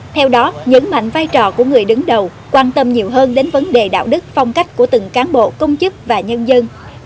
theo đó nhấn mạnh vai trò của người đứng đầu quan tâm nhiều hơn đến vấn đề đạo đức phong cách của từng cán bộ công chức và nhân dân